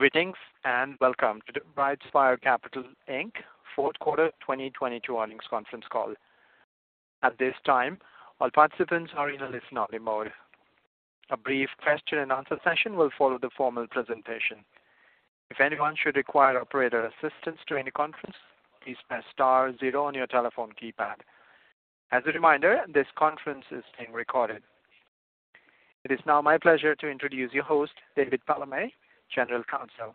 Greetings, welcome to the BrightSpire Capital, Inc. Q4 2022 earnings conference call. At this time, all participants are in a listen-only mode. A brief question-and-answer session will follow the formal presentation. If anyone should require operator assistance during the conference, please press star zero on your telephone keypad. As a reminder, this conference is being recorded. It is now my pleasure to introduce your host, David Palamé, General Counsel.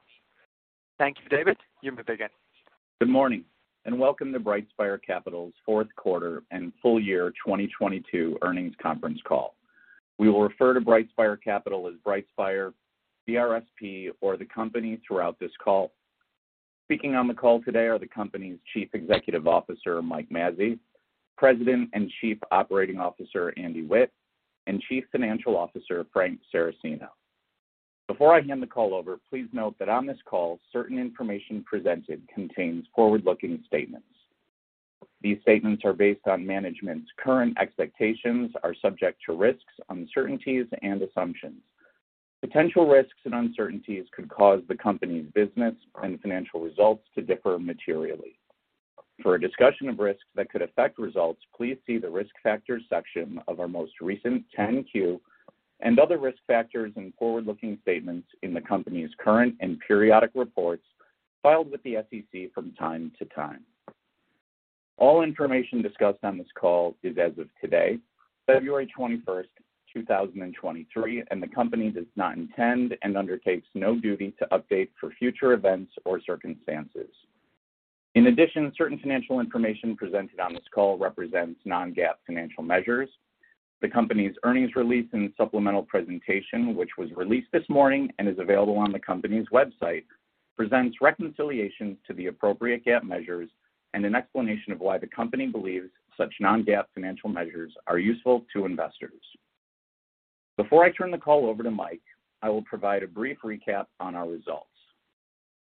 Thank you, David. You may begin. Good morning, welcome to BrightSpire Capital's Q4 and full year 2022 earnings conference call. We will refer to BrightSpire Capital as BrightSpire, BRSP, or the company throughout this call. Speaking on the call today are the company's Chief Executive Officer, Mike Mazzei, President and Chief Operating Officer, Andy Witt, and Chief Financial Officer, Frank Saracino. Before I hand the call over, please note that on this call, certain information presented contains forward-looking statements. These statements are based on management's current expectations are subject to risks, uncertainties, and assumptions. Potential risks and uncertainties could cause the company's business and financial results to differ materially. For a discussion of risks that could affect results, please see the Risk Factors section of our most recent 10-Q, other risk factors and forward-looking statements in the company's current and periodic reports filed with the SEC from time to time. All information discussed on this call is as of today, February 21st, 2023. The company does not intend and undertakes no duty to update for future events or circumstances. In addition, certain financial information presented on this call represents non-GAAP financial measures. The company's earnings release and supplemental presentation, which was released this morning and is available on the company's website, presents reconciliations to the appropriate GAAP measures and an explanation of why the company believes such non-GAAP financial measures are useful to investors. Before I turn the call over to Mike, I will provide a brief recap on our results.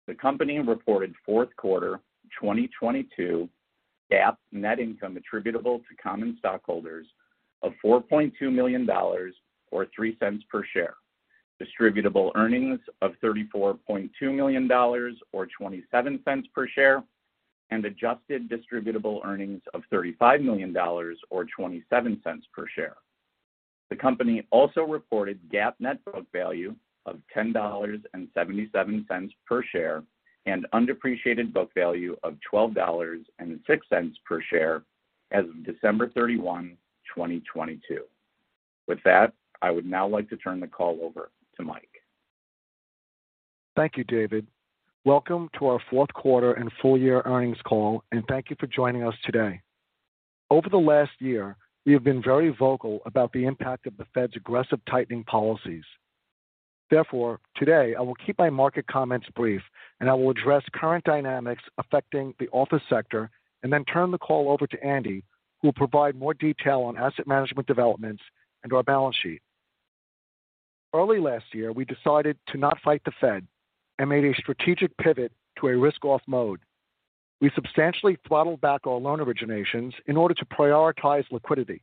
The company reported Q4 2022 GAAP net income attributable to common stockholders of $4.2 million, or $0.03 per share, Distributable Earnings of $34.2 million, or $0.27 per share, and Adjusted Distributable Earnings of $35 million or $0.27 per share. The company also reported GAAP net book value of $10.77 per share and undepreciated book value of $12.06 per share as of December 31, 2022. I would now like to turn the call over to Mike. Thank you, David. Welcome to our Q4 and full-year earnings call. Thank you for joining us today. Over the last year, we have been very vocal about the impact of the Fed's aggressive tightening policies. Therefore, today I will keep my market comments brief, and I will address current dynamics affecting the office sector and then turn the call over to Andy, who will provide more detail on asset management developments and our balance sheet. Early last year, we decided to not fight the Fed and made a strategic pivot to a risk-off mode. We substantially throttled back our loan originations in order to prioritize liquidity.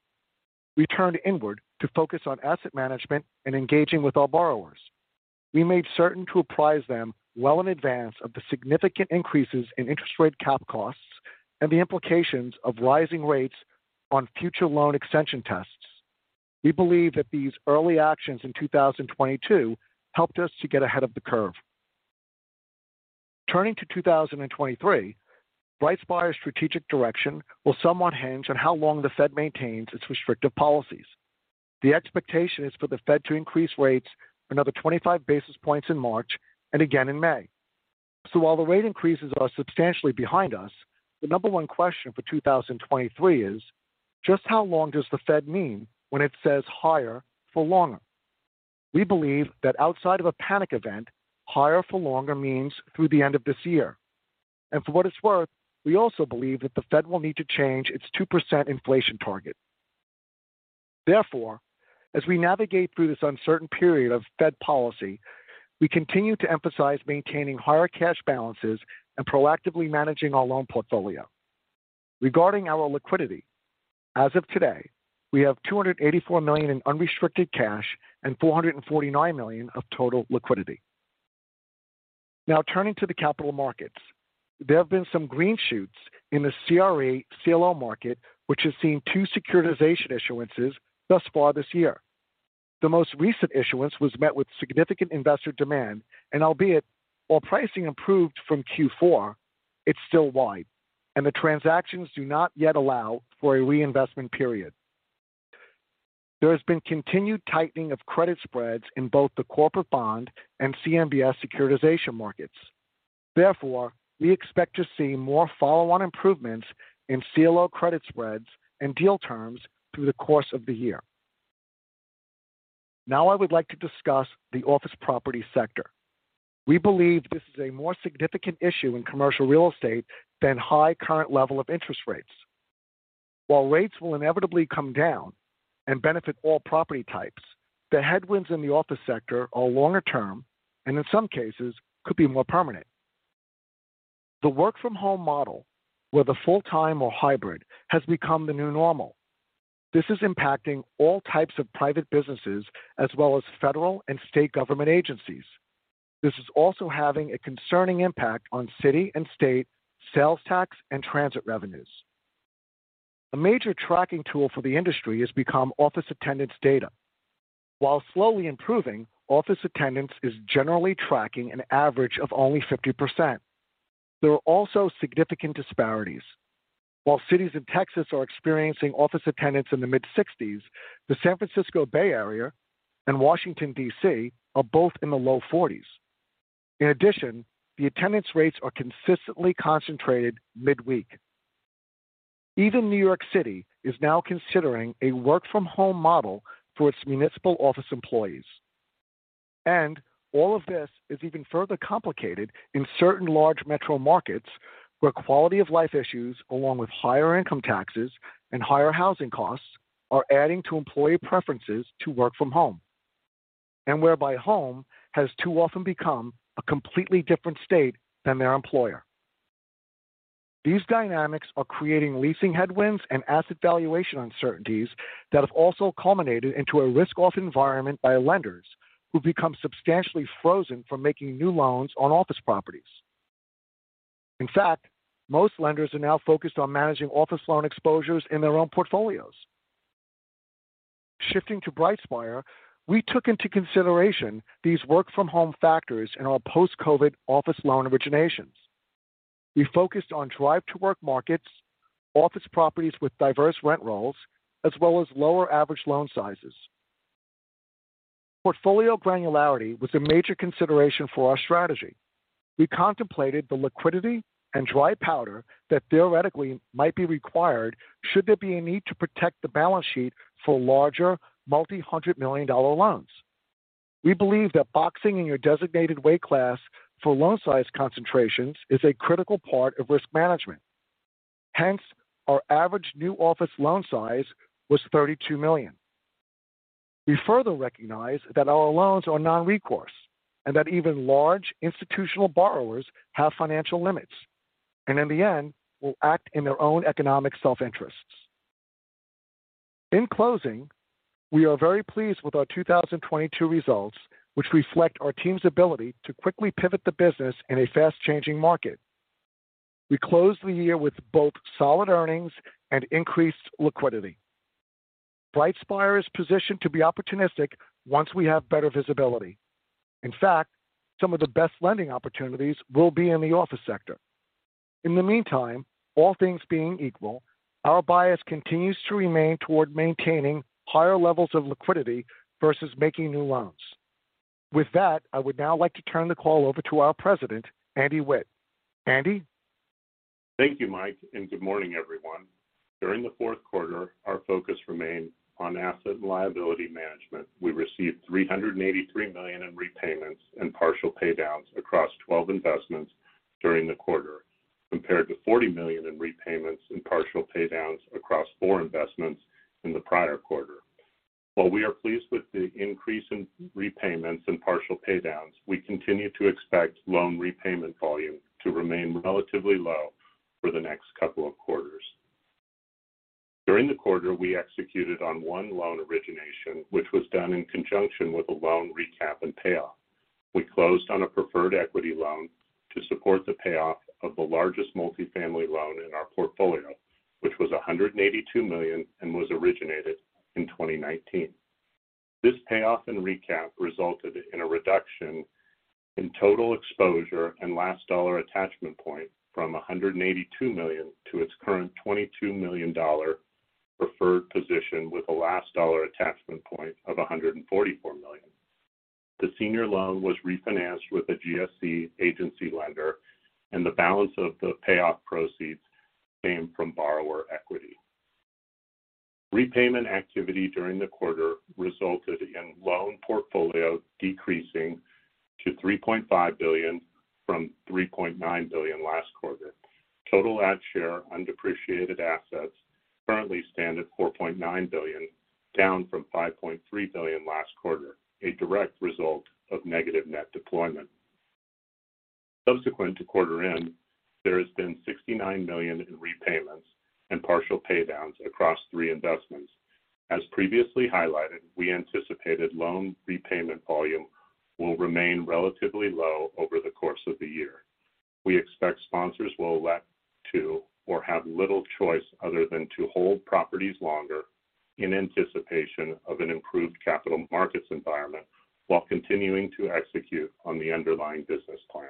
We turned inward to focus on asset management and engaging with our borrowers. We made certain to apprise them well in advance of the significant increases in interest rate cap costs and the implications of rising rates on future loan extension tests. We believe that these early actions in 2022 helped us to get ahead of the curve. Turning to 2023, BrightSpire's strategic direction will somewhat hinge on how long the Fed maintains its restrictive policies. The expectation is for the Fed to increase rates another 25 basis points in March and again in May. While the rate increases are substantially behind us, the number one question for 2023 is: Just how long does the Fed mean when it says higher for longer? We believe that outside of a panic event, higher for longer means through the end of this year. For what it's worth, we also believe that the Fed will need to change its 2% inflation target. As we navigate through this uncertain period of Fed policy, we continue to emphasize maintaining higher cash balances and proactively managing our loan portfolio. Regarding our liquidity, as of today, we have $284 million in unrestricted cash and $449 million of total liquidity. Turning to the capital markets. There have been some green shoots in the CRE CLO market, which has seen two securitization issuances thus far this year. The most recent issuance was met with significant investor demand, and albeit while pricing improved from Q4, it's still wide, and the transactions do not yet allow for a reinvestment period. There has been continued tightening of credit spreads in both the corporate bond and CMBS securitization markets. We expect to see more follow-on improvements in CLO credit spreads and deal terms through the course of the year. I would like to discuss the office property sector. We believe this is a more significant issue in commercial real estate than high current level of interest rates. While rates will inevitably come down and benefit all property types, the headwinds in the office sector are longer term and in some cases could be more permanent. The work from home model, whether full-time or hybrid, has become the new normal. This is impacting all types of private businesses as well as federal and state government agencies. This is also having a concerning impact on city and state sales tax and transit revenues. A major tracking tool for the industry has become office attendance data. While slowly improving, office attendance is generally tracking an average of only 50%. There are also significant disparities. While cities in Texas are experiencing office attendance in the mid-60s, the San Francisco Bay Area and Washington, D.C., are both in the low 40s. In addition, the attendance rates are consistently concentrated midweek. Even New York City is now considering a work from home model for its municipal office employees. All of this is even further complicated in certain large metro markets where quality of life issues, along with higher income taxes and higher housing costs, are adding to employee preferences to work from home, and whereby home has too often become a completely different state than their employer. These dynamics are creating leasing headwinds and asset valuation uncertainties that have also culminated into a risk-off environment by lenders who become substantially frozen from making new loans on office properties. In fact, most lenders are now focused on managing office loan exposures in their own portfolios. Shifting to BrightSpire, we took into consideration these work from home factors in our post-COVID office loan originations. We focused on drive to work markets, office properties with diverse rent rolls, as well as lower average loan sizes. Portfolio granularity was a major consideration for our strategy. We contemplated the liquidity and dry powder that theoretically might be required should there be a need to protect the balance sheet for larger multi-hundred million dollar loans. We believe that boxing in your designated weight class for loan size concentrations is a critical part of risk management. Hence, our average new office loan size was $32 million. We further recognize that our loans are non-recourse and that even large institutional borrowers have financial limits, and in the end, will act in their own economic self-interests. In closing, we are very pleased with our 2022 results, which reflect our team's ability to quickly pivot the business in a fast changing market. We closed the year with both solid earnings and increased liquidity. BrightSpire is positioned to be opportunistic once we have better visibility. In fact, some of the best lending opportunities will be in the office sector. In the meantime, all things being equal, our bias continues to remain toward maintaining higher levels of liquidity versus making new loans. With that, I would now like to turn the call over to our President, Andy Witt. Andy? Thank you, Mike. Good morning, everyone. During the Q4, our focus remained on asset and liability management. We received $383 million in repayments and partial pay downs across 12 investments during the quarter, compared to $40 million in repayments and partial pay downs across four investments in the prior quarter. While we are pleased with the increase in repayments and partial pay downs, we continue to expect loan repayment volume to remain relatively low for the next couple of quarters. During the quarter, we executed on one loan origination, which was done in conjunction with a loan recap and payoff. We closed on a preferred equity loan to support the payoff of the largest multifamily loan in our portfolio, which was $182 million and was originated in 2019. This payoff and recap resulted in a reduction in total exposure and last dollar attachment point from $182 million to its current $22 million preferred position with a last dollar attachment point of $144 million. The senior loan was refinanced with a GSE agency lender and the balance of the payoff proceeds came from borrower equity. Repayment activity during the quarter resulted in loan portfolio decreasing to $3.5 billion from $3.9 billion last quarter. Total at share undepreciated assets currently stand at $4.9 billion, down from $5.3 billion last quarter, a direct result of negative net deployment. Subsequent to quarter end, there has been $69 million in repayments and partial pay downs across three investments. As previously highlighted, we anticipated loan repayment volume will remain relatively low over the course of the year. We expect sponsors will elect to or have little choice other than to hold properties longer in anticipation of an improved capital markets environment while continuing to execute on the underlying business plan.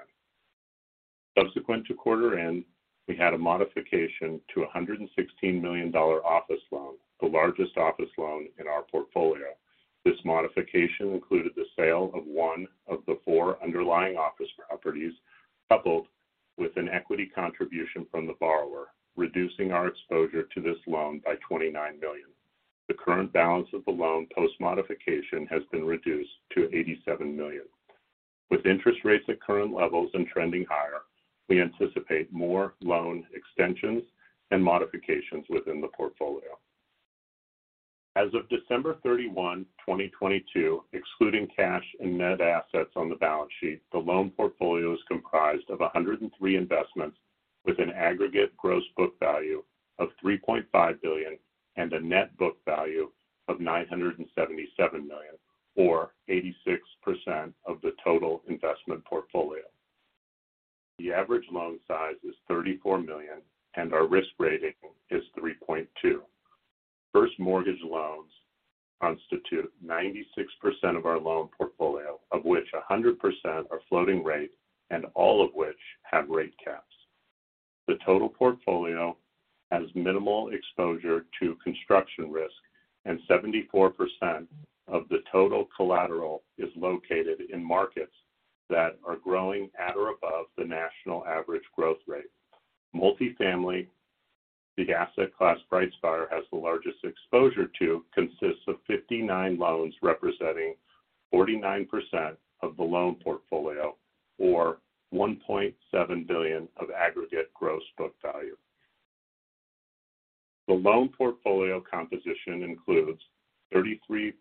Subsequent to quarter end, we had a modification to a $116 million office loan, the largest office loan in our portfolio. This modification included the sale of one of the four underlying office properties, coupled with an equity contribution from the borrower, reducing our exposure to this loan by $29 million. The current balance of the loan post-modification has been reduced to $87 million. With interest rates at current levels and trending higher, we anticipate more loan extensions and modifications within the portfolio. As of December 31, 2022, excluding cash and net assets on the balance sheet, the loan portfolio is comprised of 103 investments with an aggregate gross book value of $3.5 billion and a net book value of $977 million, or 86% of the total investment portfolio. The average loan size is $34 million, and our risk rating is 3.2. First mortgage loans constitute 96% of our loan portfolio, of which 100% are floating rate, and all of which have rate caps. The total portfolio has minimal exposure to construction risk, and 74% of the total collateral is located in markets that are growing at or above the national average growth rate. Multifamily, the asset class BrightSpire has the largest exposure to, consists of 59 loans representing 49% of the loan portfolio or $1.7 billion of aggregate gross book value. The loan portfolio composition includes 33%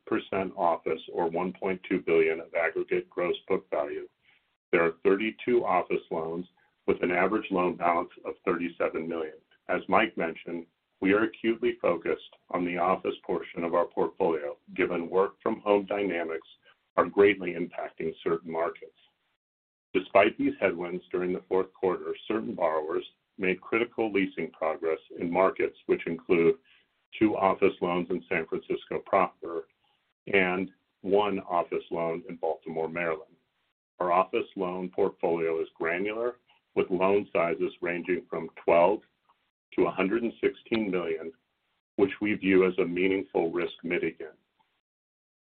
office or $1.2 billion of aggregate gross book value. There are 32 office loans with an average loan balance of $37 million. As Mike mentioned, we are acutely focused on the office portion of our portfolio given work from home dynamics are greatly impacting certain markets. Despite these headwinds during the Q4, certain borrowers made critical leasing progress in markets which include two office loans in San Francisco proper and one office loan in Baltimore, Maryland. Our office loan portfolio is granular, with loan sizes ranging from $12 million-$116 million, which we view as a meaningful risk mitigant.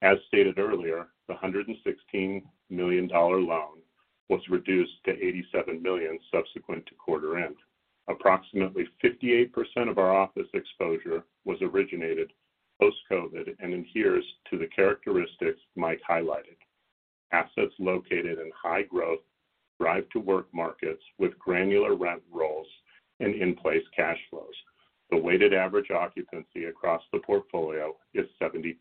As stated earlier, the $116 million loan was reduced to $87 million subsequent to quarter end. Approximately 58% of our office exposure was originated post-COVID and adheres to the characteristics Mike highlighted. Assets located in high growth drive to work markets with granular rent rolls and in place cash flows. The weighted average occupancy across the portfolio is 72%.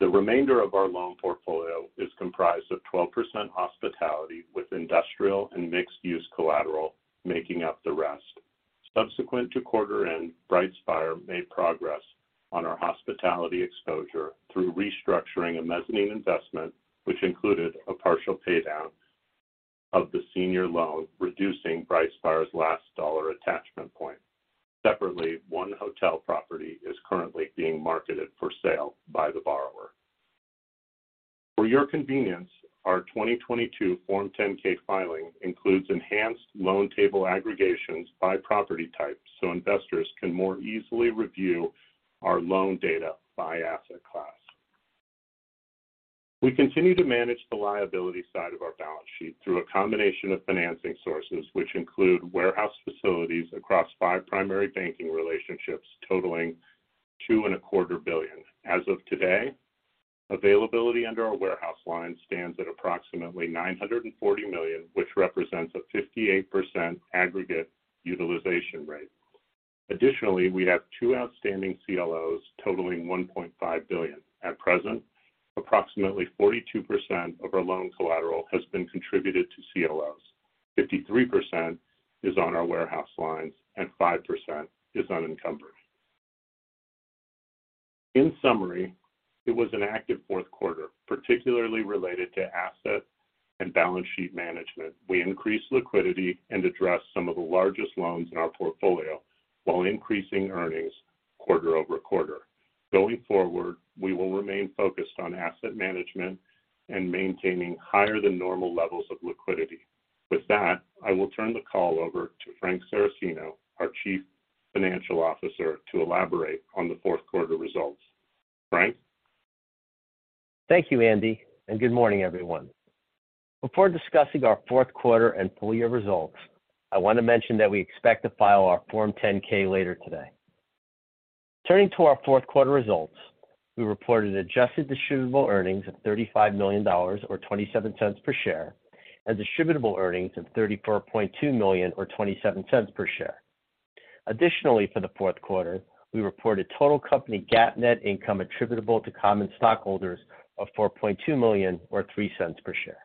The remainder of our loan portfolio is comprised of 12% hospitality with industrial and mixed use collateral making up the rest. Subsequent to quarter end, BrightSpire made progress on our hospitality exposure through restructuring a mezzanine investment, which included a partial pay down of the senior loan, reducing BrightSpire's last dollar attachment point. Separately, one hotel property is currently being marketed for sale by the borrower. For your convenience, our 2022 Form 10-K filing includes enhanced loan table aggregations by property type so investors can more easily review our loan data by asset class. We continue to manage the liability side of our balance sheet through a combination of financing sources, which include warehouse facilities across five primary banking relationships totaling two and a quarter billion. As of today, availability under our warehouse line stands at approximately $940 million, which represents a 58% aggregate utilization rate. Additionally, we have two outstanding CLOs totaling $1.5 billion. At present, approximately 42% of our loan collateral has been contributed to CLOs. 53% is on our warehouse lines and 5% is unencumbered. In summary, it was an active Q4, particularly related to asset and balance sheet management. We increased liquidity and addressed some of the largest loans in our portfolio while increasing earnings quarter-over-quarter. Going forward, we will remain focused on asset management and maintaining higher than normal levels of liquidity. With that, I will turn the call over to Frank Saracino, our Chief Financial Officer, to elaborate on the Q4 results. Frank? Thank you, Andy. Good morning, everyone. Before discussing our Q4 and full year results, I want to mention that we expect to file our Form 10-K later today. Turning to our Q4 results, we reported Adjusted Distributable Earnings of $35 million or $0.27 per share, and Distributable Earnings of $34.2 million or $0.27 per share. Additionally, for the Q4, we reported total company GAAP net income attributable to common stockholders of $4.2 million or $0.03 per share.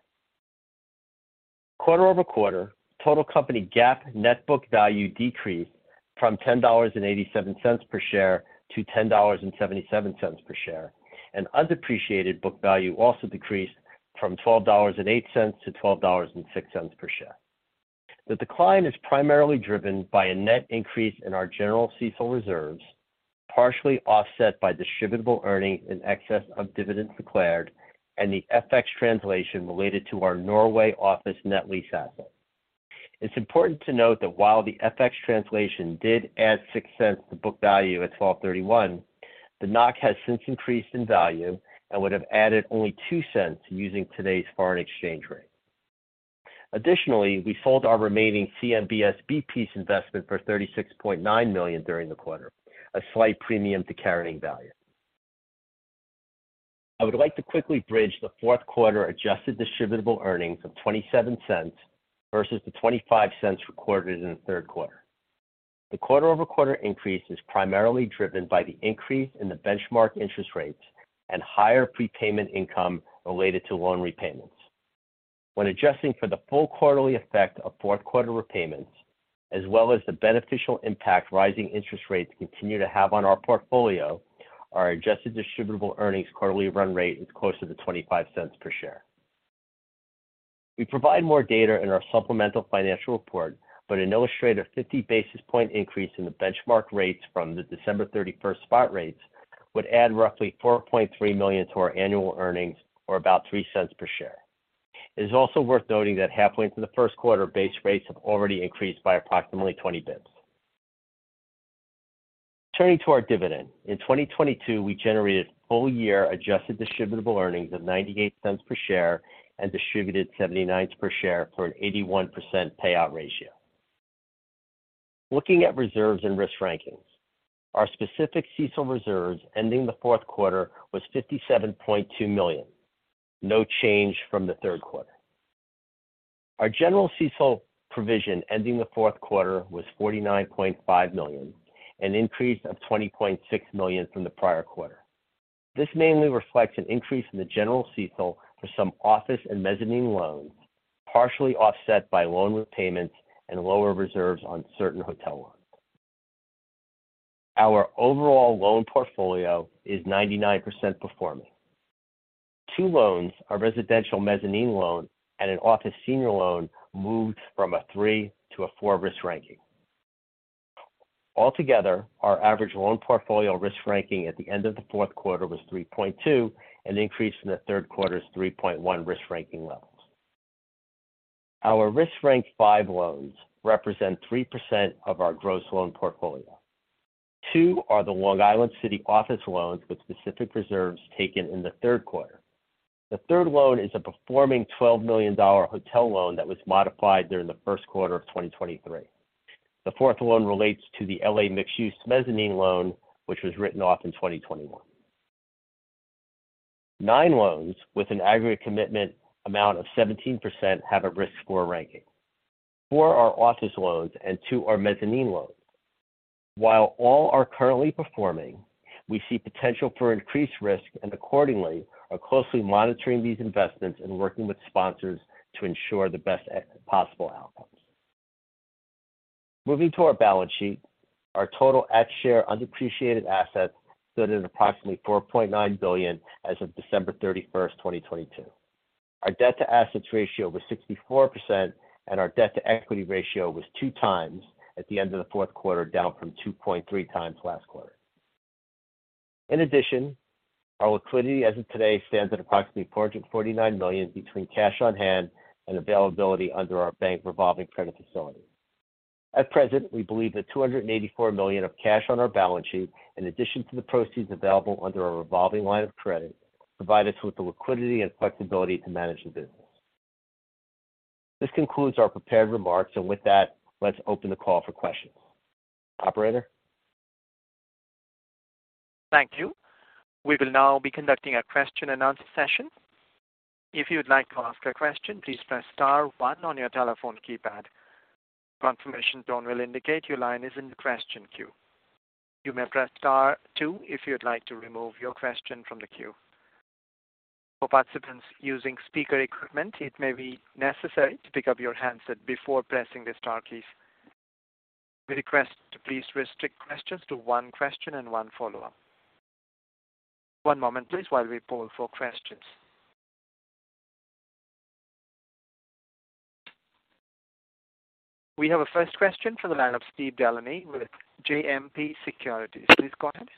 Quarter-over-quarter, total company GAAP net book value decreased from $10.87 per share to $10.77 per share. Undepreciated book value also decreased from $12.08 to $12.06 per share. The decline is primarily driven by a net increase in our general CECL reserves, partially offset by Distributable Earnings in excess of dividends declared and the FX translation related to our Norway office net lease asset. It's important to note that while the FX translation did add $0.06 to book value at 12/31, the NOK has since increased in value and would have added only $0.02 using today's foreign exchange rate. We sold our remaining CMBS B-piece investment for $36.9 million during the quarter, a slight premium to carrying value. I would like to quickly bridge the Q4 Adjusted Distributable Earnings of $0.27 versus the $0.25 recorded in the Q3. The quarter-over-quarter increase is primarily driven by the increase in the benchmark interest rates and higher prepayment income related to loan repayments. When adjusting for the full quarterly effect of Q4 repayments, as well as the beneficial impact rising interest rates continue to have on our portfolio, our Adjusted Distributable Earnings quarterly run rate is closer to $0.25 per share. An illustrative 50 basis point increase in the benchmark rates from the December 31st spot rates would add roughly $4.3 million to our annual earnings, or about $0.03 per share. It is also worth noting that halfway through the Q1, base rates have already increased by approximately 20 basis points. Turning to our dividend. In 2022, we generated full year Adjusted Distributable Earnings of $0.98 per share and distributed $0.79 per share for an 81% payout ratio. Looking at reserves and risk rankings. Our specific CECL reserves ending the Q4 was $57.2 million, no change from the Q3. Our general CECL provision ending the Q4 was $49.5 million, an increase of $20.6 million from the prior quarter. This mainly reflects an increase in the general CECL for some office and mezzanine loans, partially offset by loan repayments and lower reserves on certain hotel loans. Our overall loan portfolio is 99% performing. Two loans, our residential mezzanine loan and an office senior loan, moved from a three to a four risk ranking. Altogether, our average loan portfolio risk ranking at the end of the Q4 was 3.2, an increase from the Q3's 3.1 risk ranking levels. Our risk ranked five loans represent 3% of our gross loan portfolio. Two are the Long Island City office loans with specific reserves taken in the Q3. The 3rd loan is a performing $12 million hotel loan that was modified during the Q1 of 2023. The 4th loan relates to the L.A. mixed-use mezzanine loan, which was written off in 2021. Nine loans with an aggregate commitment amount of 17% have a risk score ranking. Four are office loans and two are mezzanine loans. While all are currently performing, we see potential for increased risk and accordingly are closely monitoring these investments and working with sponsors to ensure the best possible outcomes. Moving to our balance sheet. Our total at-share undepreciated assets stood at approximately $4.9 billion as of December 31st, 2022. Our debt-to-assets ratio was 64% and our debt-to-equity ratio was 2x at the end of the Q4, down from 2.3x last quarter. Our liquidity as of today stands at approximately $449 million between cash on hand and availability under our bank revolving credit facility. At present, we believe the $284 million of cash on our balance sheet, in addition to the proceeds available under our revolving line of credit, provide us with the liquidity and flexibility to manage the business. This concludes our prepared remarks, with that, let's open the call for questions. Operator? Thank you. We will now be conducting a question and answer session. If you'd like to ask a question, please press star one on your telephone keypad. A confirmation tone will indicate your line is in the question queue. You may press star two if you'd like to remove your question from the queue. For participants using speaker equipment, it may be necessary to pick up your handset before pressing the star keys. We request to please restrict questions to one question and one follow-up. One moment, please, while we poll for questions. We have a first question from the line of Steve Delaney with JMP Securities. Please go ahead.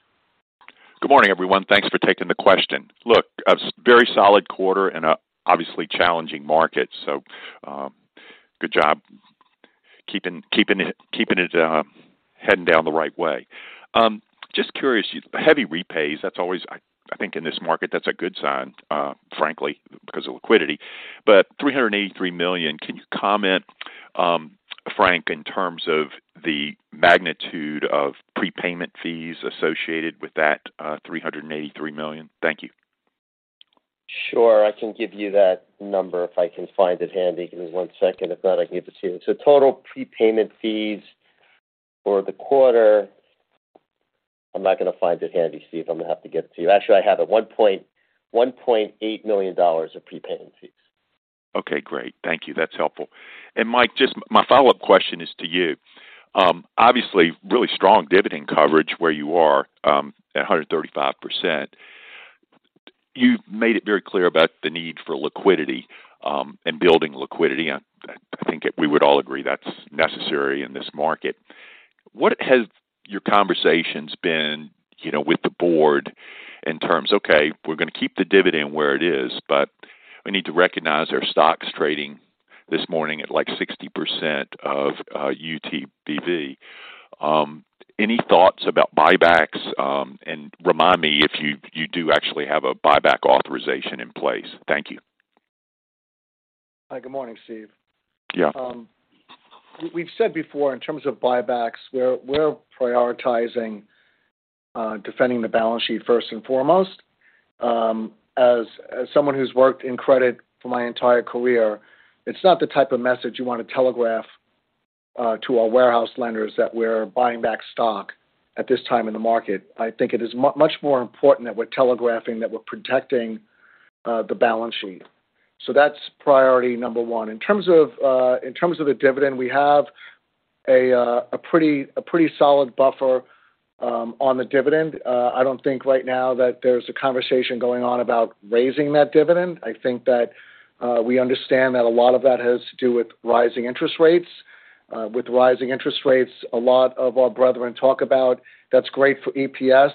Good morning, everyone. Thanks for taking the question. Look, a very solid quarter in a obviously challenging market. Good job keeping it heading down the right way. Just curious, heavy repays, that's always, I think in this market that's a good sign, frankly, because of liquidity. $383 million, can you comment, Frank, in terms of the magnitude of prepayment fees associated with that, $383 million? Thank you. Sure. I can give you that number if I can find it handy. Give me one second. If not, I can give it to you. Total prepayment fees for the quarter... I'm not gonna find it handy, Steve. I'm gonna have to get it to you. I have it. $1.8 million of prepayment fees. Okay, great. Thank you. That's helpful. Mike, just my follow-up question is to you. Obviously really strong dividend coverage where you are at 135%. You've made it very clear about the need for liquidity and building liquidity. I think we would all agree that's necessary in this market. What has your conversations been, you know, with the board in terms, "Okay, we're gonna keep the dividend where it is, but we need to recognize our stock's trading this morning at like 60% of UTBV." Any thoughts about buybacks? Remind me if you do actually have a buyback authorization in place. Thank you. Hi. Good morning, Steve. Yeah. We've said before in terms of buybacks, we're prioritizing defending the balance sheet first and foremost. As someone who's worked in credit for my entire career, it's not the type of message you wanna telegraph to our warehouse lenders that we're buying back stock at this time in the market. I think it is much more important that we're telegraphing that we're protecting the balance sheet. That's priority number one. In terms of the dividend, we have a pretty solid buffer on the dividend. I don't think right now that there's a conversation going on about raising that dividend. I think that we understand that a lot of that has to do with rising interest rates. With rising interest rates, a lot of our brethren talk about that's great for EPS.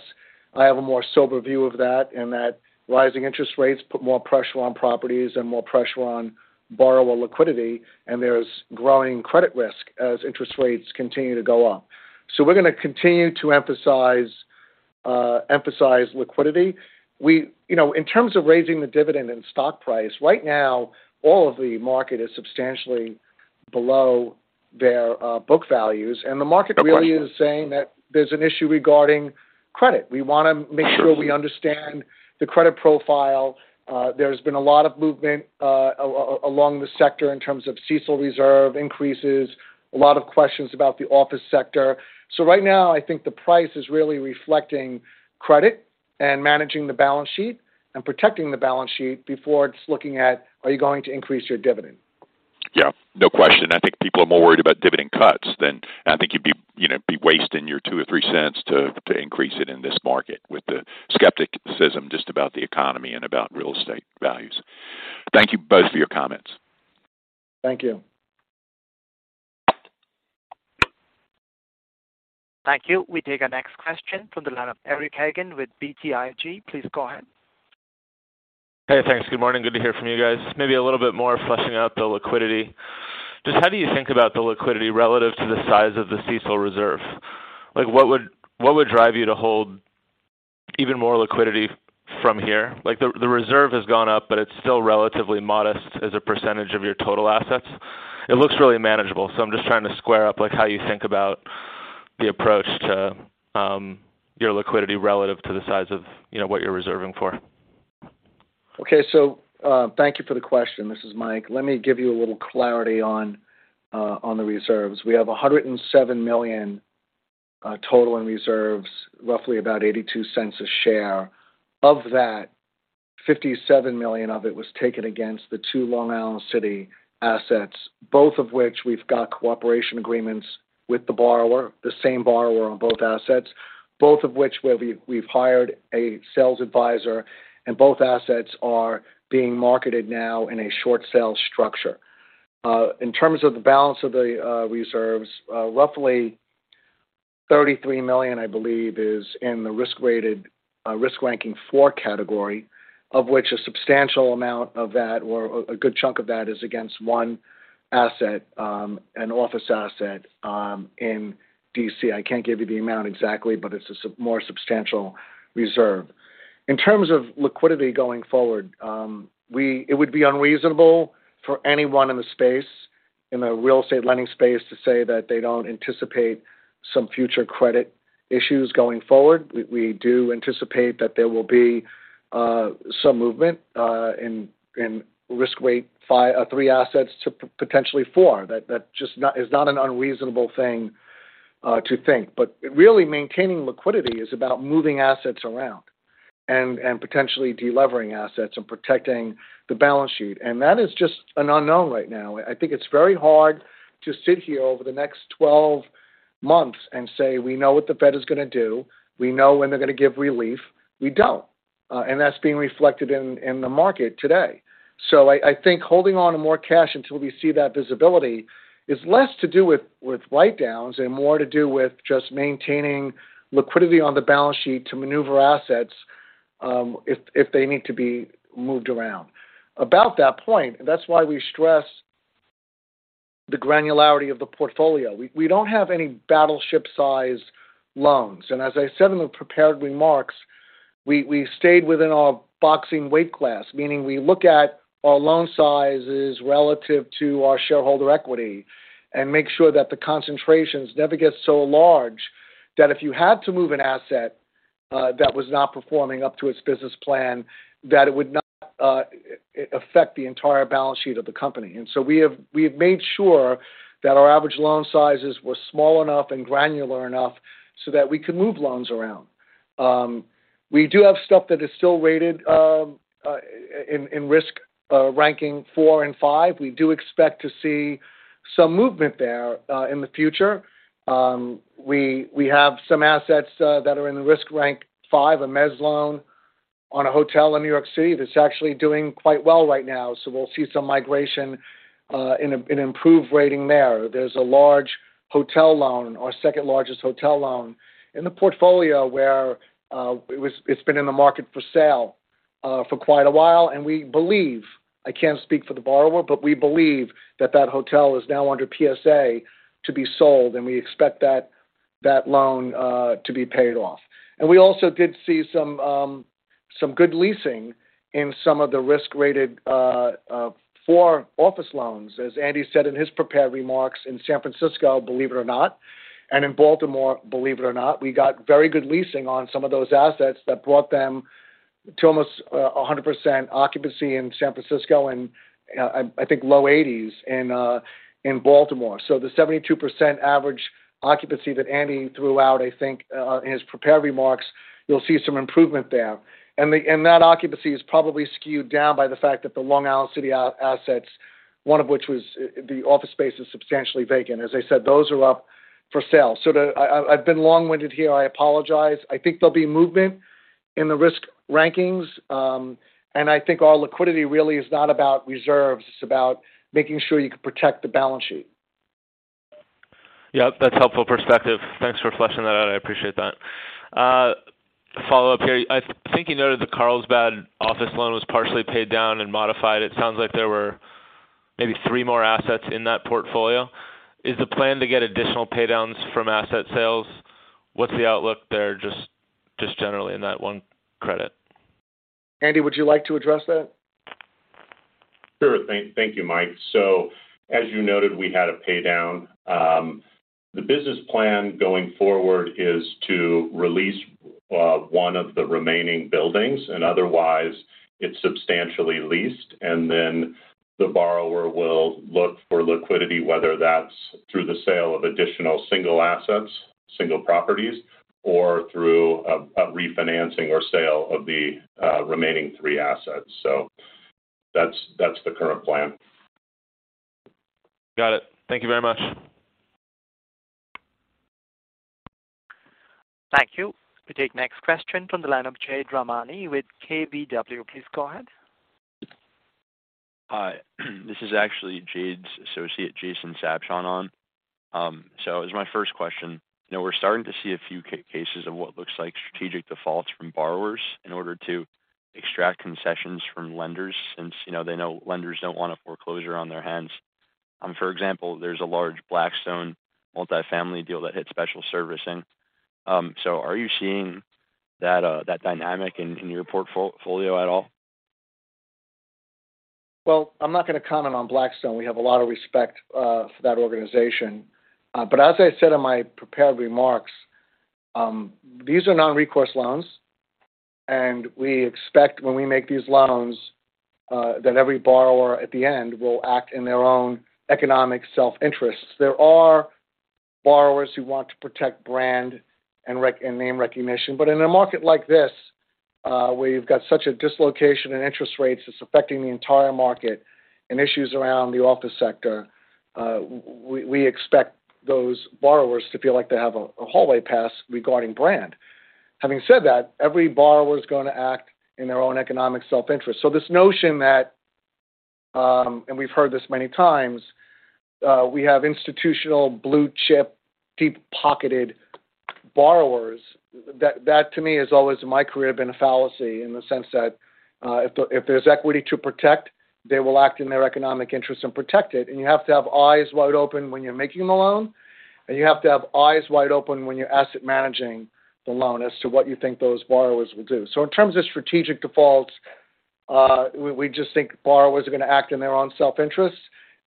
I have a more sober view of that, and that rising interest rates put more pressure on properties and more pressure on borrower liquidity, and there's growing credit risk as interest rates continue to go up. We're gonna continue to emphasize liquidity. You know, in terms of raising the dividend and stock price, right now, all of the market is substantially below their book values. The market No question. really is saying that there's an issue regarding credit. We wanna make sure we understand the credit profile. There's been a lot of movement along the sector in terms of CECL reserve increases, a lot of questions about the office sector. Right now, I think the price is really reflecting credit and managing the balance sheet and protecting the balance sheet before it's looking at, are you going to increase your dividend? Yeah. No question. I think people are more worried about dividend cuts than. I think you'd be, you know, wasting your $0.02 or $0.03 to increase it in this market with the skepticism just about the economy and about real estate values. Thank you both for your comments. Thank you. Thank you. We take our next question from the line of Eric Hagen with BTIG. Please go ahead. Hey, thanks. Good morning. Good to hear from you guys. Maybe a little bit more fleshing out the liquidity. Just how do you think about the liquidity relative to the size of the CECL reserve? Like, what would drive you to hold even more liquidity from here? Like, the reserve has gone up, but it's still relatively modest as a percent of your total assets. It looks really manageable, so I'm just trying to square up, like, how you think about the approach to your liquidity relative to the size of, you know, what you're reserving for. Okay. Thank you for the question. This is Mike. Let me give you a little clarity on the reserves. We have $107 million total in reserves, roughly about $0.82 a share. Of that, $57 million of it was taken against the two Long Island City assets, both of which we've got cooperation agreements with the borrower, the same borrower on both assets. Both of which where we've hired a sales advisor, and both assets are being marketed now in a short sale structure. In terms of the balance of the reserves, roughly $33 million, I believe, is in the risk rated, risk ranking four category, of which a substantial amount of that or a good chunk of that is against one asset, an office asset, in D.C. I can't give you the amount exactly, but it's a more substantial reserve. In terms of liquidity going forward, it would be unreasonable for anyone in the space, in the real estate lending space to say that they don't anticipate some future credit issues going forward. We do anticipate that there will be some movement in risk weight three assets to potentially four. That is not an unreasonable thing to think. Really maintaining liquidity is about moving assets around and potentially de-levering assets and protecting the balance sheet. That is just an unknown right now. I think it's very hard to sit here over the next 12 months and say, we know what the Fed is gonna do, we know when they're gonna give relief. We don't. That's being reflected in the market today. I think holding on to more cash until we see that visibility is less to do with write-downs and more to do with just maintaining liquidity on the balance sheet to maneuver assets, if they need to be moved around. About that point, that's why we stress the granularity of the portfolio. We don't have any battleship size loans. As I said in the prepared remarks, we stayed within our boxing weight class, meaning we look at our loan sizes relative to our shareholder equity and make sure that the concentrations never get so large that if you had to move an asset, that was not performing up to its business plan, that it would not affect the entire balance sheet of the company. We have made sure that our average loan sizes were small enough and granular enough so that we could move loans around. We do have stuff that is still rated in risk ranking four and five. We do expect to see some movement there in the future. We have some assets that are in risk rank five, a mezz loan on a hotel in New York City that's actually doing quite well right now, so we'll see some migration in an improved rating there. There's a large hotel loan, our second-largest hotel loan in the portfolio where it's been in the market for sale for quite a while. We believe, I can't speak for the borrower, but we believe that that hotel is now under PSA to be sold, we expect that loan to be paid off. We also did see some good leasing in some of the risk-rated four office loans, as Andy said in his prepared remarks in San Francisco, believe it or not, and in Baltimore, believe it or not. We got very good leasing on some of those assets that brought them to almost a 100% occupancy in San Francisco and I think low 80s in Baltimore. The 72% average occupancy that Andy threw out, I think, in his prepared remarks, you'll see some improvement there. That occupancy is probably skewed down by the fact that the Long Island City assets, one of which was the office space, is substantially vacant. As I said, those are up for sale. I've been long-winded here. I apologize. I think there'll be movement in the risk rankings. I think our liquidity really is not about reserves. It's about making sure you can protect the balance sheet. Yeah. That's helpful perspective. Thanks for fleshing that out. I appreciate that. Follow up here. I think you noted the Carlsbad office loan was partially paid down and modified. It sounds like there were maybe three more assets in that portfolio. Is the plan to get additional pay downs from asset sales? What's the outlook there, just generally in that one credit? Andy, would you like to address that? Sure. Thank you, Mike. As you noted, we had a pay down. The business plan going forward is to release one of the remaining buildings, and otherwise it's substantially leased. The borrower will look for liquidity, whether that's through the sale of additional single assets, single properties, or through a refinancing or sale of the remaining three assets. That's the current plan. Got it. Thank you very much. Thank you. We take next question from the line of Jade Rahmani with KBW. Please go ahead. Hi. This is actually Jade's associate, Jason Sabshon, on. As my first question, you know, we're starting to see a few cases of what looks like strategic defaults from borrowers in order to extract concessions from lenders since, you know, they know lenders don't want a foreclosure on their hands. For example, there's a large Blackstone multi-family deal that hit special servicing. Are you seeing that dynamic in your portfolio at all? Well, I'm not gonna comment on Blackstone. We have a lot of respect for that organization. As I said in my prepared remarks, these are non-recourse loans, and we expect when we make these loans that every borrower at the end will act in their own economic self-interests. There are borrowers who want to protect brand and name recognition. In a market like this, where you've got such a dislocation in interest rates that's affecting the entire market and issues around the office sector, we expect those borrowers to feel like they have a hallway pass regarding brand. Having said that, every borrower is gonna act in their own economic self-interest. This notion that, and we've heard this many times, we have institutional blue chip, deep-pocketed borrowers. That to me has always in my career been a fallacy in the sense that, if there's equity to protect, they will act in their economic interest and protect it. You have to have eyes wide open when you're making the loan, and you have to have eyes wide open when you're asset managing the loan as to what you think those borrowers will do. In terms of strategic defaults, we just think borrowers are gonna act in their own self-interests.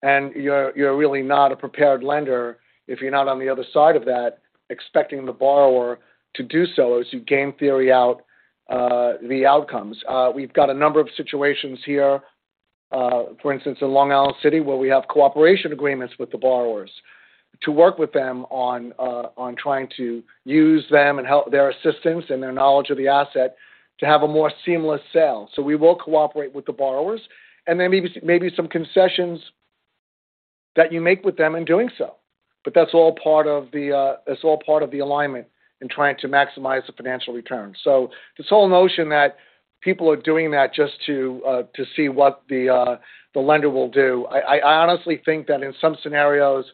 You're really not a prepared lender if you're not on the other side of that, expecting the borrower to do so as you game theory out the outcomes. We've got a number of situations here, for instance, in Long Island City, where we have cooperation agreements with the borrowers to work with them on trying to use them and their assistance and their knowledge of the asset to have a more seamless sale. We will cooperate with the borrowers and then maybe some concessions that you make with them in doing so. That's all part of the, that's all part of the alignment in trying to maximize the financial return. This whole notion that people are doing that just to see what the lender will do, I honestly think that in some scenarios,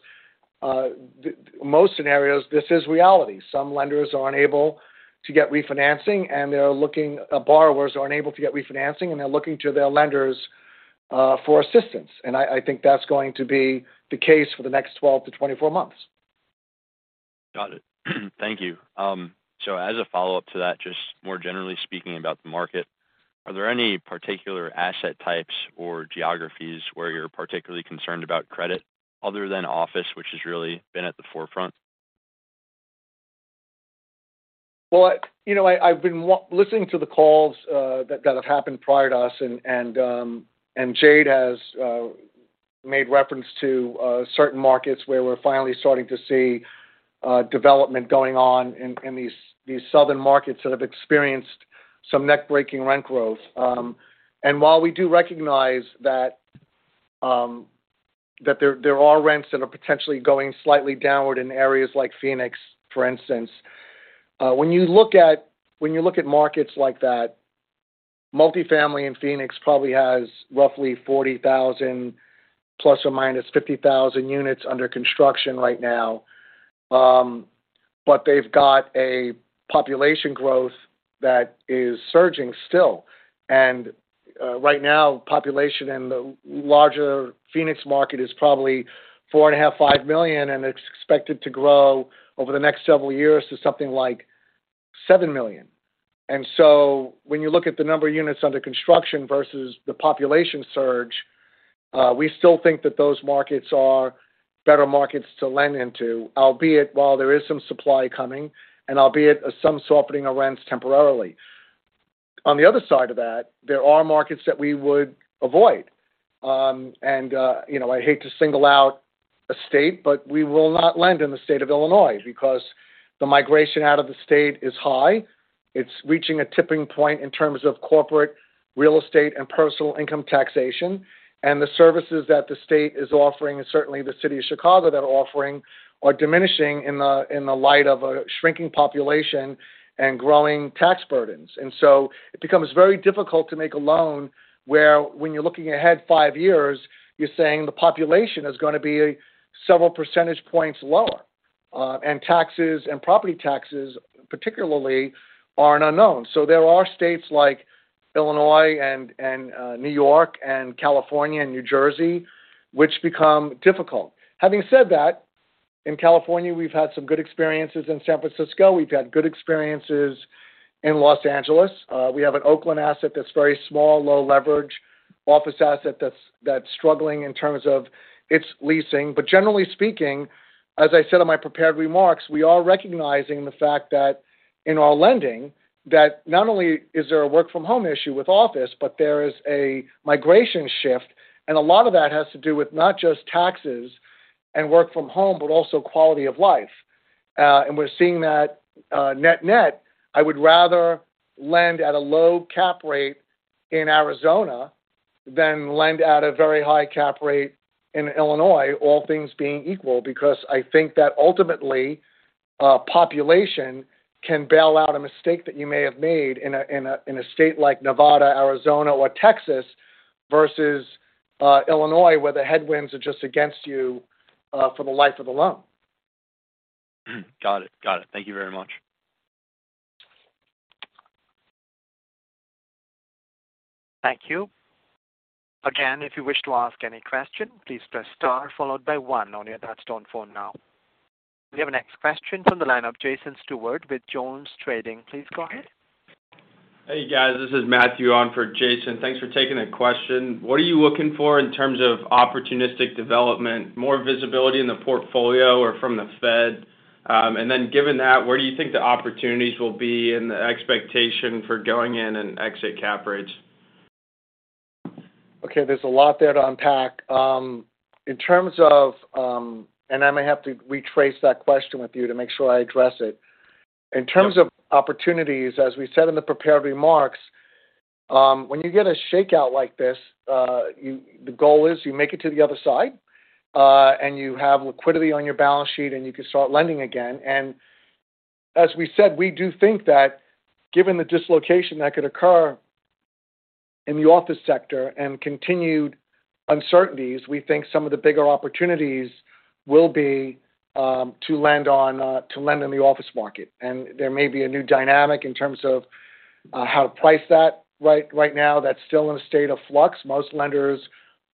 most scenarios, this is reality. Some lenders aren't able to get refinancing, and they're looking... borrowers aren't able to get refinancing, and they're looking to their lenders, for assistance. I think that's going to be the case for the next 12 to 24 months. Got it. Thank you. As a follow-up to that, just more generally speaking about the market, are there any particular asset types or geographies where you're particularly concerned about credit other than office, which has really been at the forefront? Well, you know, I've been listening to the calls that have happened prior to us. Jade has made reference to certain markets where we're finally starting to see development going on in these southern markets that have experienced some neck-breaking rent growth. While we do recognize that there are rents that are potentially going slightly downward in areas like Phoenix, for instance, when you look at markets like that, multifamily in Phoenix probably has roughly 40,000 ± 50,000 units under construction right now. They've got a population growth that is surging still. Right now, population in the larger Phoenix market is probably $4.5 million-$5 million, and it's expected to grow over the next several years to something like $7 million. When you look at the number of units under construction versus the population surge, we still think that those markets are better markets to lend into, albeit while there is some supply coming, and albeit as some softening of rents temporarily. On the other side of that, there are markets that we would avoid. You know, I hate to single out a state, but we will not lend in the state of Illinois because the migration out of the state is high. It's reaching a tipping point in terms of corporate real estate and personal income taxation. The services that the state is offering, and certainly the city of Chicago they're offering, are diminishing in the light of a shrinking population and growing tax burdens. It becomes very difficult to make a loan where when you're looking ahead five years, you're saying the population is gonna be several percentage points lower. And taxes and property taxes particularly are an unknown. There are states like Illinois and New York and California and New Jersey, which become difficult. Having said that, in California, we've had some good experiences in San Francisco. We've had good experiences in Los Angeles. We have an Oakland asset that's very small, low leverage office asset that's struggling in terms of its leasing. Generally speaking, as I said in my prepared remarks, we are recognizing the fact that in our lending, that not only is there a work from home issue with office, but there is a migration shift, and a lot of that has to do with not just taxes and work from home, but also quality of life. We're seeing that, net net, I would rather lend at a low cap rate in Arizona than lend at a very high cap rate in Illinois, all things being equal, because I think that ultimately, population can bail out a mistake that you may have made in a, in a, in a state like Nevada, Arizona or Texas versus, Illinois, where the headwinds are just against you, for the life of the loan. Got it. Got it. Thank you very much. Thank you. Again, if you wish to ask any question, please press star followed by one on your touchtone phone now. We have a next question from the line of Jason Stewart with JonesTrading. Please go ahead. Hey, guys. This is Matthew on for Jason. Thanks for taking the question. What are you looking for in terms of opportunistic development, more visibility in the portfolio or from the Fed? Given that, where do you think the opportunities will be and the expectation for going in and exit Cap rates? Okay, there's a lot there to unpack. In terms of I may have to retrace that question with you to make sure I address it. In terms of opportunities, as we said in the prepared remarks, when you get a shakeout like this, the goal is you make it to the other side, and you have liquidity on your balance sheet, and you can start lending again. As we said, we do think that given the dislocation that could occur in the office sector and continued uncertainties, we think some of the bigger opportunities will be to lend on, to lend in the office market. There may be a new dynamic in terms of how to price that. Right, right now, that's still in a state of flux. Most lenders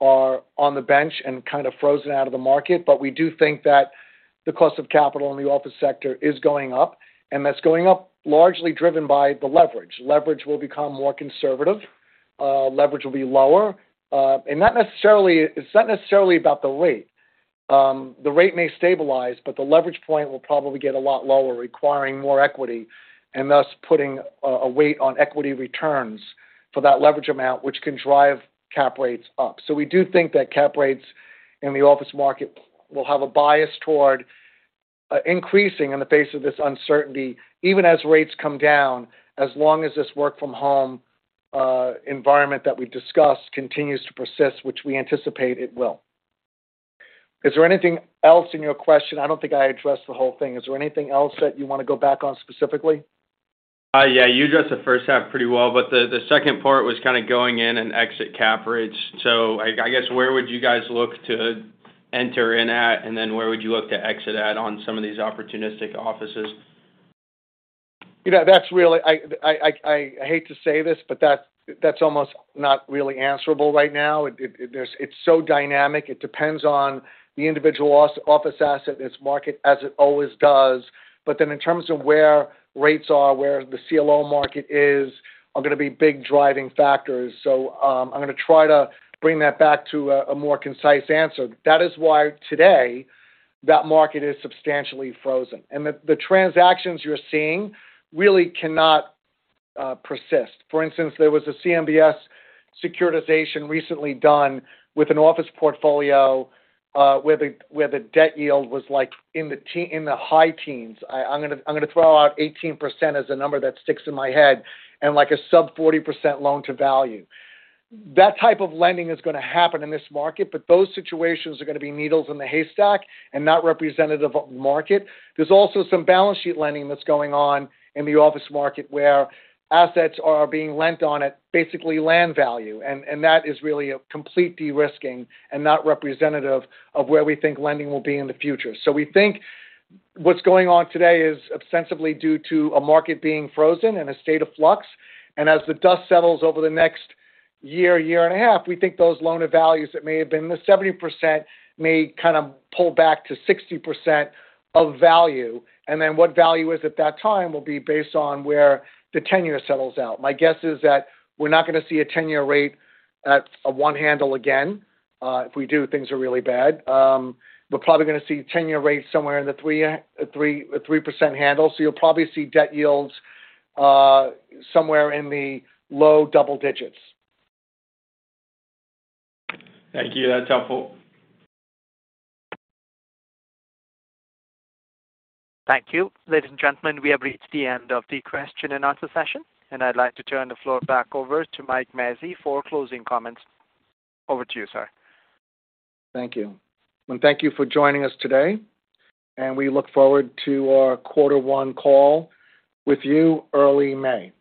are on the bench and kind of frozen out of the market. We do think that the cost of capital in the office sector is going up, and that's going up largely driven by the leverage. Leverage will become more conservative. Leverage will be lower. And not necessarily about the rate. The rate may stabilize, but the leverage point will probably get a lot lower, requiring more equity, and thus putting a weight on equity returns for that leverage amount, which can drive cap rates up. We do think that cap rates in the office market will have a bias toward increasing in the face of this uncertainty, even as rates come down as long as this work from home environment that we discussed continues to persist, which we anticipate it will. Is there anything else in your question? I don't think I addressed the whole thing. Is there anything else that you wanna go back on specifically? Yeah. You addressed the first half pretty well. The second part was kinda going in and exit cap rates. I guess where would you guys look to enter in at, and then where would you look to exit at on some of these opportunistic offices? You know, that's really I hate to say this, that's almost not really answerable right now. It's so dynamic. It depends on the individual office asset and its market, as it always does. In terms of where rates are, where the CLO market is, are gonna be big driving factors. I'm gonna try to bring that back to a more concise answer. That is why today that market is substantially frozen, and the transactions you're seeing really cannot persist. For instance, there was a CMBS securitization recently done with an office portfolio, where the debt yield was like in the high teens. I'm gonna throw out 18% as a number that sticks in my head and like a sub 40% loan-to-value. That type of lending is gonna happen in this market, but those situations are gonna be needles in the haystack and not representative of market. There's also some balance sheet lending that's going on in the office market, where assets are being lent on at basically land value. That is really a complete de-risking and not representative of where we think lending will be in the future. We think what's going on today is ostensibly due to a market being frozen in a state of flux. As the dust settles over the next year and a half, we think those loan of values that may have been in the 70% may kind of pull back to 60% of value. What value is at that time will be based on where the tenure settles out. My guess is that we're not gonna see a tenure rate at a one handle again. If we do, things are really bad. We're probably gonna see tenure rates somewhere in the 3% handle. You'll probably see debt yields somewhere in the low double digits. Thank you. That's helpful. Thank you. Ladies and gentlemen, we have reached the end of the question and answer session. I'd like to turn the floor back over to Mike Mazzei for closing comments. Over to you, sir. Thank you. Thank you for joining us today, and we look forward to our quarter one call with you early May.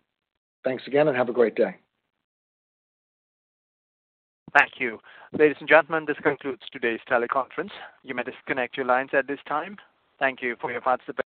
Thanks again, and have a great day. Thank you. Ladies and gentlemen, this concludes today's teleconference. You may disconnect your lines at this time. Thank you for your participation.